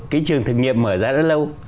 cái trường thực nghiệm mở ra rất lâu